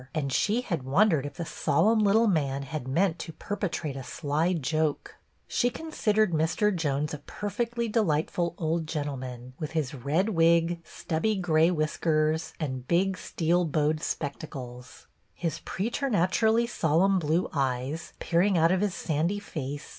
" and she had wondered if the solemn little man had meant to perpetrate a sly joke. She considered Mr. Jones a per fectly delightful old gentleman, with his red wig, stubby gray whiskers, and big steel bowed spectacles. His preternaturally sol emn blue eyes, peering out of his sandy face.